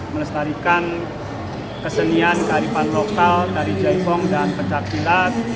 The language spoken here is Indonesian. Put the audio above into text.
melestarikan kesenian kearifan lokal dari jai pong dan pencak pilat